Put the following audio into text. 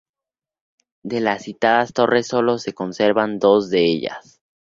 De las citadas torres sólo se conservan dos de ellas.